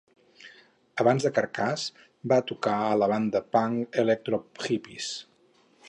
Abans de Carcass, va tocar a la banda punk Electro Hippies.